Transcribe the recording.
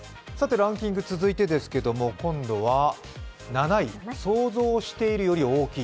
ランキング続いてですけれども今度は７位、想像してるより大きい。